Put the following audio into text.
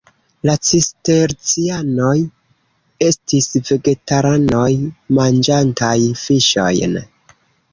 La cistercianoj estis vegetaranoj manĝantaj fiŝojn.